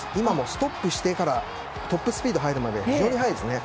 ストップしてからトップスピードに入るまでが非常に速いですね。